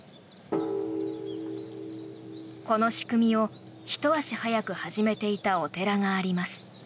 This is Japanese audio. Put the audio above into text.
この仕組みをひと足早く始めていたお寺があります。